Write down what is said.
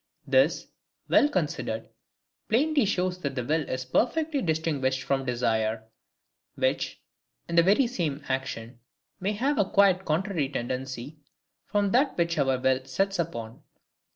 This, well considered, plainly shows that the will is perfectly distinguished from desire; which, in the very same action, may have a quite contrary tendency from that which our will sets us upon.